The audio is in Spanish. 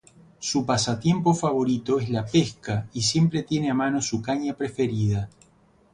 Su pasatiempo favorito es la pesca, y siempre tiene a mano su caña preferida.